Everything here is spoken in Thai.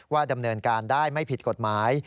ดำเนินการได้ไม่ผิดกฎหมาย